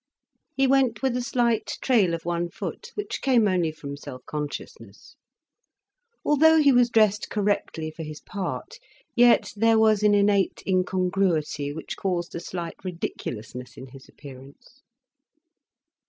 He went with a slight trail of one foot, which came only from self consciousness. Although he was dressed correctly for his part, yet there was an innate incongruity which caused a slight ridiculousness in his appearance.